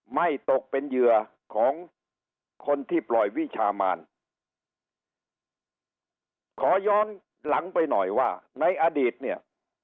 ไม่ตกเป็นเหยื่อของคนที่ปล่อยวิชามานขอย้อนหลังไปหน่อยว่าในอดีตเนี่ย